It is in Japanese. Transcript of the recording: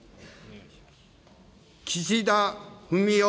岸田文雄